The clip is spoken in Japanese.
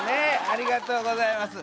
ありがとうございます